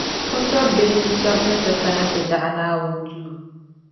O tɔbbihi ni shɛb’ ni ti kana ti daɣi Naawuni jɛmbu duu.